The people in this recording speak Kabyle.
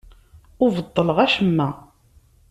Ur beṭṭleɣ acemma.